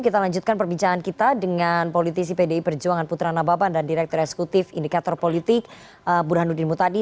kita lanjutkan perbincangan kita dengan politisi pdi perjuangan putra nababan dan direktur eksekutif indikator politik burhanuddin mutadi